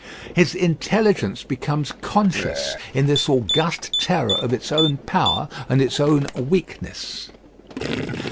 His intelligence becomes conscious in this august terror of its own power and its own weakness.